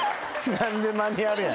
何でマニュアルなんやろ？